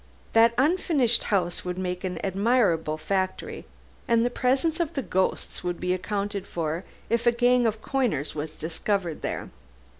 That unfinished house would make an admirable factory, and the presence of the ghosts would be accounted for if a gang of coiners was discovered there.